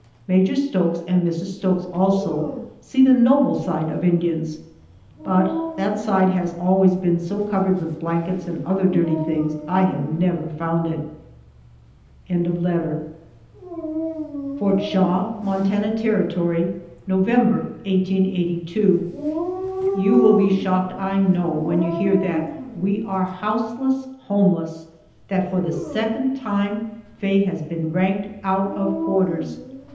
Major Stokes and Mrs. Stokes, also, see the noble side of Indians, but that side has always been so covered with blankets and other dirty things I have never found it! FORT SHAW, MONTANA TERRITORY, November, 1882. YOU will be shocked, I know, when you hear that we are houseless homeless that for the second time Faye has been ranked out of quarters!